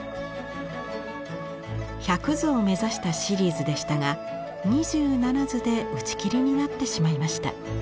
１００図を目指したシリーズでしたが２７図で打ち切りになってしまいました。